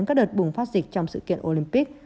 các đợt bùng phát dịch trong sự kiện olympic